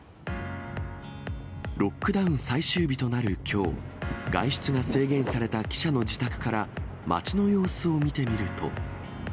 ロックダウン最終日となるきょう、外出が制限された記者の自宅から、街の様子を見てみると。